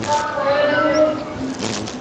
আর কি কি চাস তুই?